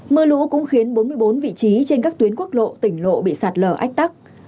mưa lũ cũng khiến bốn mươi bốn vị trí trên các tuyến quốc lộ tỉnh lộ bị sạt lở ách tắc